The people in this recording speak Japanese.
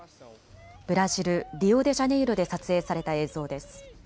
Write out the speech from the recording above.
ブラジル・リオデジャネイロで撮影された映像です。